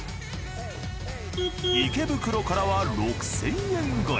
池袋からは６，０００円超え。